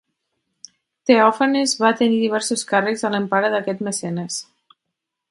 Teòfanes va tenir diversos càrrecs a l'empara d'aquest mecenes.